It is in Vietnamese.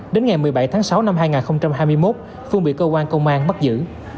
đến ngày một mươi bảy tháng sáu năm hai nghìn hai mươi một phương bị cơ quan công an bắt giữ